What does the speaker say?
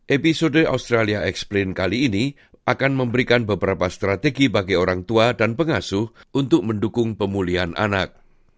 episode australia explin kali ini akan memberikan beberapa strategi bagi orang tua dan pengasuh untuk mendukung pemulihan anak